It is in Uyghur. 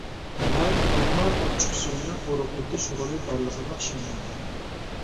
مەن ئالما ئاچچىقسۈيىنىڭ ئورۇقلىتىش رولى بارلىقىغا ئىشەنمەيمەن.